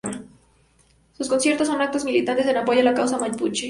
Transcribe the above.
Sus conciertos son actos militantes en apoyo a la causa Mapuche.